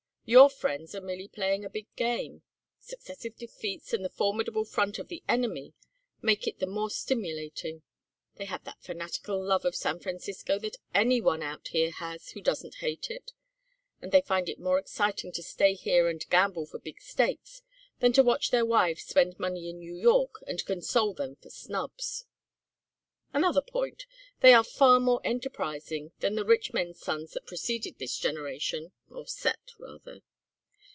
Your friends are merely playing a big game. Successive defeats, and the formidable front of the enemy, make it the more stimulating. They have that fanatical love of San Francisco that every one out here has who doesn't hate it, and they find it more exciting to stay here and gamble for big stakes than to watch their wives spend money in New York, and console them for snubs. Another point they are far more enterprising than the rich men's sons that preceded this generation or set, rather.